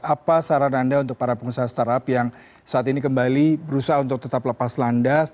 apa saran anda untuk para pengusaha startup yang saat ini kembali berusaha untuk tetap lepas landas